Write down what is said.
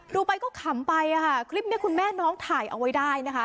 ดูไปก็ขำไปอ่ะค่ะคลิปนี้คุณแม่น้องถ่ายเอาไว้ได้นะคะ